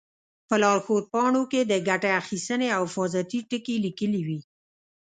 په لارښود پاڼو کې د ګټې اخیستنې او حفاظتي ټکي لیکلي وي.